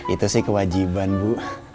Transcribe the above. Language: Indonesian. itu sih kewajiban bu